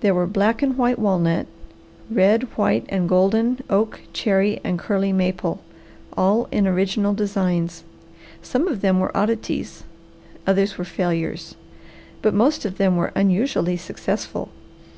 There were black and white walnut, red, white, and golden oak, cherry and curly maple, all in original designs. Some of them were oddities, others were failures, but most of them were unusually successful.